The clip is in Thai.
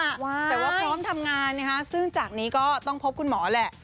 แต่ว่าแต่ว่าพร้อมทำงานนะคะซึ่งจากนี้ก็ต้องพบคุณหมอแหละ